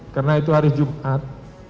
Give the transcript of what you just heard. karena itu hari jumat